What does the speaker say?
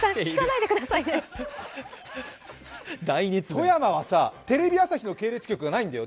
富山はさ、テレビ朝日の系列局がないんだよ。